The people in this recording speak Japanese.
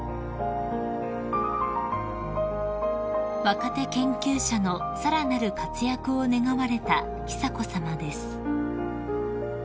［若手研究者のさらなる活躍を願われた久子さまです］